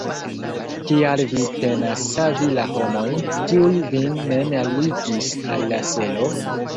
Kial vi penas savi la homojn, kiuj vin mem alligis al la selo?